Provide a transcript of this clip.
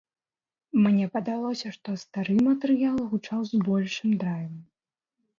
Мне падалося, што стары матэрыял гучаў з большым драйвам.